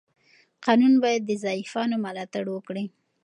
قانون باید د ضعیفانو ملاتړ وکړي.